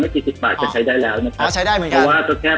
กี่สิบบาทก็ใช้ได้แล้วนะครับก็ใช้ได้ไหมครับเพราะว่าก็แค่